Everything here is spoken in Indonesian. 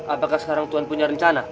apakah sekarang tuhan punya rencana